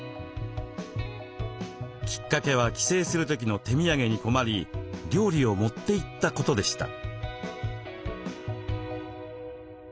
きっかけは帰省する時の手土産に困り料理を持っていったことでした。